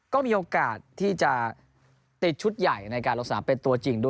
ก็มีโอกาสที่จะติดชุดใหญ่ในการลงสนามเป็นตัวจริงด้วย